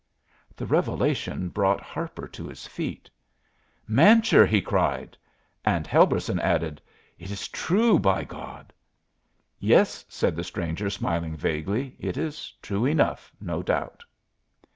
The revelation brought Harper to his feet. "Mancher!" he cried; and Helberson added: "It is true, by God!" "Yes," said the stranger, smiling vaguely, "it is true enough, no doubt."